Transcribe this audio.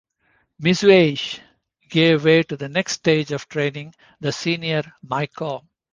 "Mizuage" gave way to the next stage of training, the senior "maiko".